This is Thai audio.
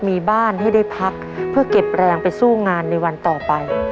มีบ้านให้ได้พักเพื่อเก็บแรงไปสู้งานในวันต่อไป